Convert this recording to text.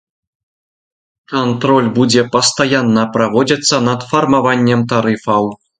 Кантроль будзе пастаянна праводзіцца над фарміраваннем тарыфаў.